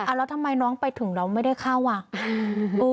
แล้วทำไมน้องไปถึงแล้วไม่ได้เข้าว่ะ